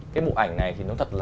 cái bộ ảnh này thì nó thật là